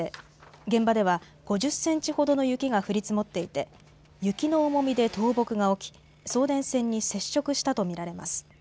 現場では５０センチほどの雪が降り積もっていて雪の重みで倒木が起き送電線に接触したと見られます。